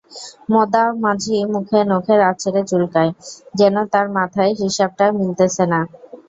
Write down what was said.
মোদা মাঝি মুখে নখের আঁচড়ে চুলকায়, যেন তার মাথায় হিসাবটা মিলতেছে না।